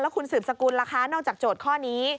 คุณสืบสกุลล่ะคะนอกจากโจทย์ข้อนี้